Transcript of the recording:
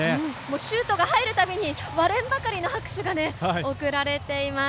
シュートが入るたびに割れんばかりの拍手が送られています。